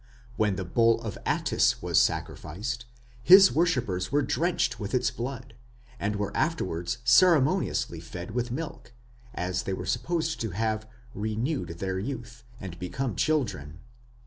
When the bull of Attis was sacrificed his worshippers were drenched with its blood, and were afterwards ceremonially fed with milk, as they were supposed to have "renewed their youth" and become children.